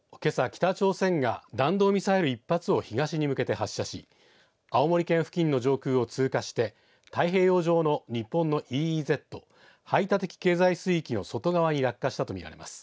北朝鮮が弾道ミサイル１発を東に向けて発射し青森県付近の上空を通過して太平洋上の日本のＥＥＺ排他的経済水域の外側に落下したと見られます。